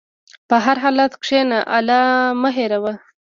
په هر حالت کښېنه، الله مه هېروه.